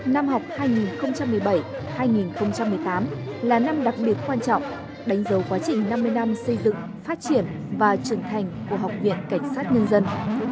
năm học hai nghìn một mươi bảy hai nghìn một mươi tám là năm đặc biệt quan trọng đánh dấu quá trình năm mươi năm xây dựng phát triển và trưởng thành của học viện cảnh sát nhân dân